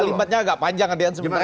kalimatnya agak panjang sebenarnya